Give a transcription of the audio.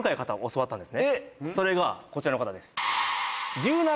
それがこちらの方です・何？